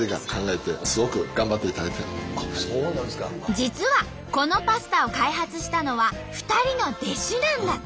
実はこのパスタを開発したのは２人の弟子なんだって。